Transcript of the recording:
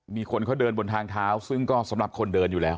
มีคนเขาเดินบนทางเท้าซึ่งก็สำหรับคนเดินอยู่แล้ว